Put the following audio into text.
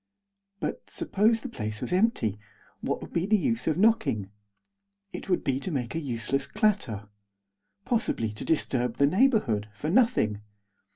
But, suppose the place was empty, what would be the use of knocking? It would be to make a useless clatter. Possibly to disturb the neighbourhood, for nothing.